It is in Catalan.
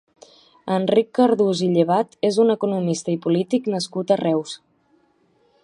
Enric Cardús i Llevat és un economista i polític nascut a Reus.